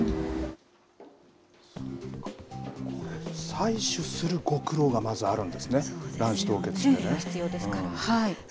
採取するご苦労が、まずあるんですね、卵子凍結ってね。